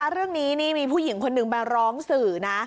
เรื่องนี้นี่มีผู้หญิงคนหนึ่งมาร้องสื่อนะ